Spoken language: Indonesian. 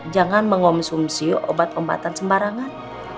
jangan mengomsumsi obat pembatan sembarangan